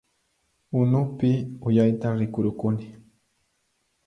Unupi uyayta rikurukuni